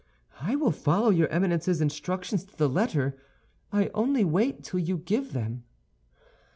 "I will follow your Eminence's instructions to the letter. I only wait till you give them."